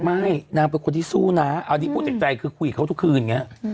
นางเป็นคนที่สู้นะอันนี้พูดจากใจคือคุยกับเขาทุกคืนอย่างนี้